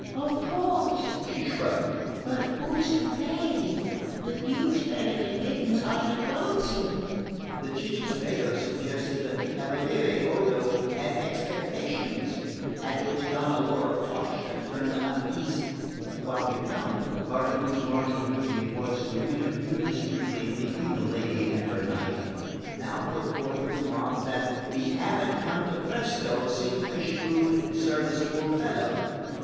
"Of course," she shrugged "But who's to pay? The Duke's beggarly pittance hardly clothes him." The cicisbeo suggested that the cavaliere Odo had expectations; at which Donna Laura flushed and turned uneasy; while the Count, part of whose marital duty it was to intervene discreetly between his lady and her knight, now put forth the remark that the abate Cantapresto seemed a shrewd serviceable fellow.